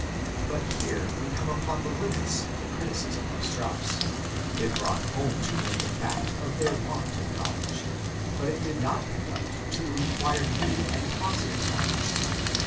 But here we come upon the limits of the criticism of Strauss: it brought home to men the fact of their want of knowledge, but it did not conduct to the required new and positive know ledge.